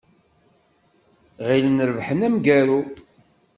Ɣilen rebḥen amgaru.